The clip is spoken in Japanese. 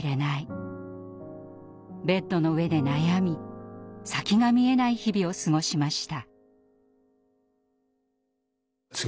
ベッドの上で悩み先が見えない日々を過ごしました。